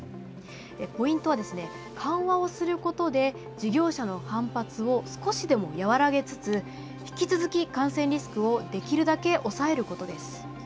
ポイントは、緩和をすることで事業者の反発を少しでも和らげつつ引き続き、感染リスクをできるだけ抑えることです。